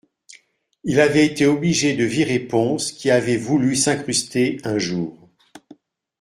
Il avait été obligé de virer Pons qui avait voulu s’incruster, un jour.